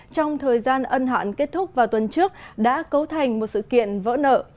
trong thời gian ân hạn kết thúc vào tuần trước đã cấu thành một sự kiện vỡ nợ